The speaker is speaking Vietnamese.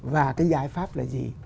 và cái giải pháp là gì